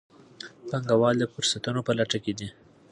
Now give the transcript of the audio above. پانګوال د فرصتونو په لټه کې دي.